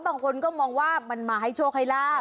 บางคนก็มองว่ามันมาให้โชคให้ลาบ